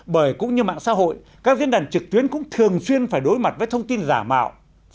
bởi cũng như mạng xã hội các diễn đàn trực tuyến cũng thường xuyên phải đối mặt với thông tin giả mạo